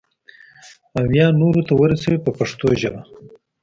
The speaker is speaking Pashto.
او یا نورو ته ورسوي په پښتو ژبه.